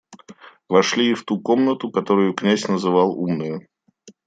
Вошли и в ту комнату, которую князь называл умною.